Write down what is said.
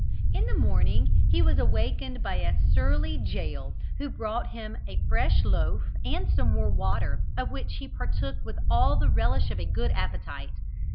In the morning he was awakened by a surly gaoler, who brought him a fresh loaf and some more water, of which he partook with all the relish of a good appetite.